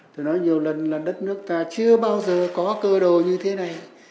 tôi nói nhiều lần là đất nước ta chưa bao giờ có cơ đồ như thế này